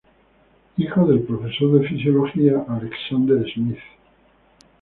Hijo del profesor de fisiología Alexander Schmidt.